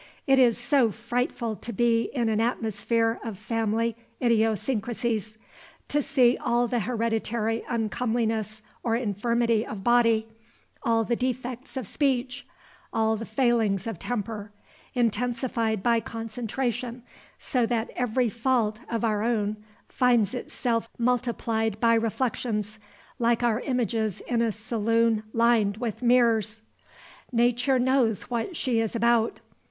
It is so frightful to be in an atmosphere of family idiosyncrasies; to see all the hereditary uncomeliness or infirmity of body, all the defects of speech, all the failings of temper, intensified by concentration, so that every fault of our own finds itself multiplied by reflections, like our images in a saloon lined with mirrors! Nature knows what she is about.